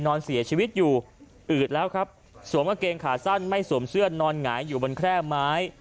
นอนเสียชีวิตอยู่อืดแล้วครับสวมกางเกงขาสั้นไม่สวมเสื้อนอนหงายอยู่บนแคร่ไม้